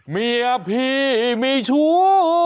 เมียพี่มีชู้